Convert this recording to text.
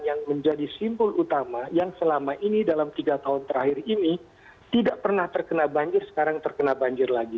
yang menjadi simpul utama yang selama ini dalam tiga tahun terakhir ini tidak pernah terkena banjir sekarang terkena banjir lagi